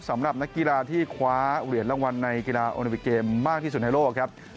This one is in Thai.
สำหรับนักกีฬาที่คว้าเหรียญรางวัลในกีฬาโอลิปิกเกมมากที่สุดในโลกครับ